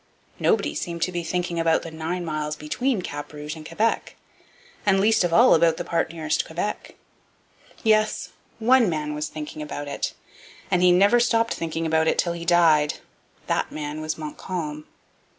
Nobody seemed to be thinking about the nine miles between Cap Rouge and Quebec, and least of all about the part nearest Quebec. Yes, one man was thinking about it, and he never stopped thinking about it till he died. That man was Montcalm.